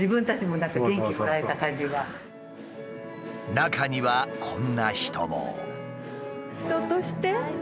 中にはこんな人も。